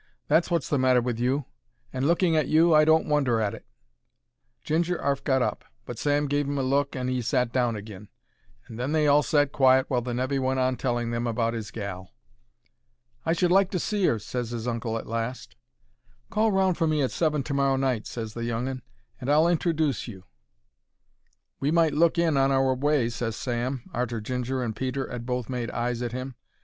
"That's wot's the matter with you. And looking at you, I don't wonder at it." Ginger 'arf got up, but Sam gave him a look and 'e sat down agin, and then they all sat quiet while the nevy went on telling them about 'is gal. "I should like to see 'er," ses his uncle at last. "Call round for me at seven to morrow night," ses the young 'un, "and I'll introduce you." "We might look in on our way," ses Sam, arter Ginger and Peter 'ad both made eyes at 'im.